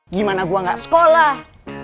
gimana gue gak sekolah